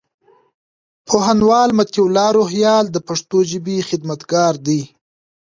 پوهنوال مطيع الله روهيال د پښتو ژبي خدمتګار دئ.